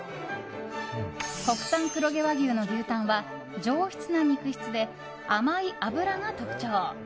国産黒毛和牛の牛タンは上質な肉質で甘い脂が特徴。